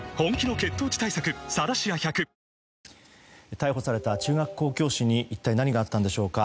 逮捕された中学校教師に一体何があったんでしょうか。